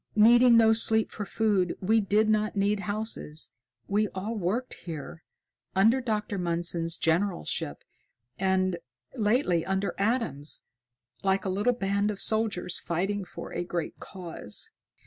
Needing no sleep nor food, we did not need houses. We all worked here, under Dr. Mundson's generalship, and, lately under Adam's, like a little band of soldiers fighting for a great cause."